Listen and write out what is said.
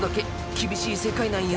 厳しい世界なんよ。